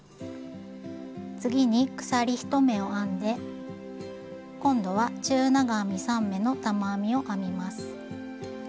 次に鎖１目を編んで今度は中長編み３目の玉編みを編みます。